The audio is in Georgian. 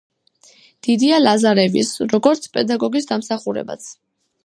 დიდია ლაზარევის, როგორც პედაგოგის დამსახურებაც.